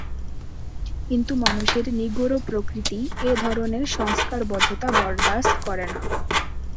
কিন্তু মানুষের নিগূঢ় প্রকৃতি এ ধরনের সংস্কারবদ্ধতা বরদাস্ত করে না।